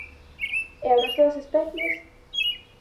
E o resto das especies?